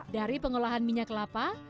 dari pengolahan minyak kelapa